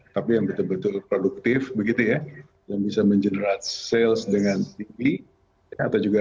tapi yang betul betul produktif begitu ya yang bisa mengenerate sales dengan tinggi atau juga